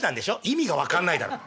「意味が分かんないだろ。